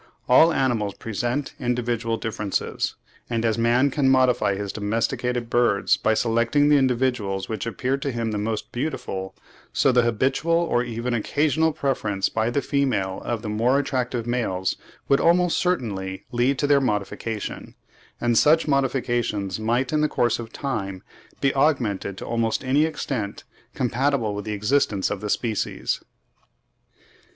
All animals present individual differences, and as man can modify his domesticated birds by selecting the individuals which appear to him the most beautiful, so the habitual or even occasional preference by the female of the more attractive males would almost certainly lead to their modification; and such modifications might in the course of time be augmented to almost any extent, compatible with the existence of the species.